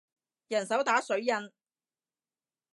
人手打水印